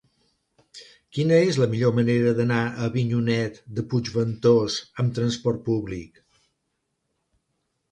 Quina és la millor manera d'anar a Avinyonet de Puigventós amb trasport públic?